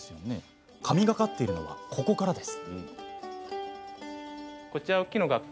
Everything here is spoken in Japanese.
神がかっているのはここからです。